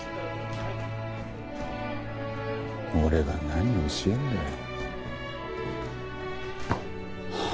俺が何を教えるんだよ。